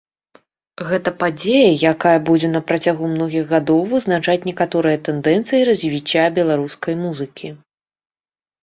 Гэта падзея, якая будзе на працягу многіх гадоў вызначаць некаторыя тэндэнцыі развіцця беларускай музыкі.